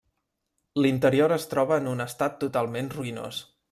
L'interior es troba en estat totalment ruïnós.